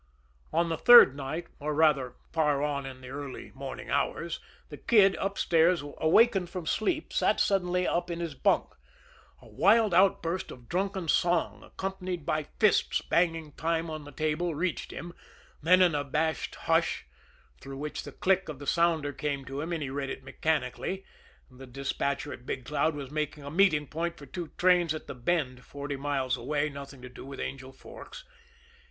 On the third night, or rather, far on in the early morning hours, the Kid, upstairs, awakened from sleep, sat suddenly up in his bunk. A wild outburst of drunken song, accompanied by fists banging time on the table, reached him then an abashed hush, through which the click of the sounder came to him and he read it mechanically the despatcher at Big Cloud was making a meeting point for two trains at the Bend, forty miles away, nothing to do with Angel Forks.